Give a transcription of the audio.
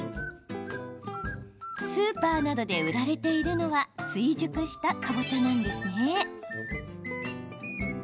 スーパーなどで売られているのは追熟したかぼちゃなんですね。